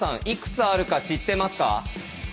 いくつあるか知ってますか？